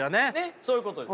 そういうことです。